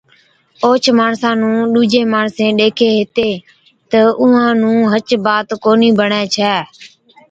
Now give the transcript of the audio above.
اوهچ ماڻسا نُون ڏُوجين ماڻسين ڏيکين هِتين تہ اُونهان نُون هچ بات ڪونهِي بڻَي ڇَي۔